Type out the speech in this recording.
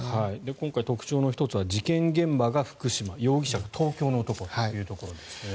今回、特徴の１つは事件現場が福島容疑者の男は東京ということですね。